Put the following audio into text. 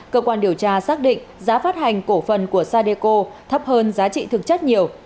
cơ quan điều tra xác định giá phát hành cổ phần của sadeco thấp hơn giá trị thực chất nhiều